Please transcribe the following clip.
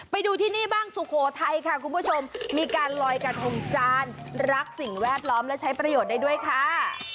ไปดูที่นี่บ้างสุโขทัยค่ะคุณผู้ชมมีการลอยกระทงจานรักสิ่งแวดล้อมและใช้ประโยชน์ได้ด้วยค่ะ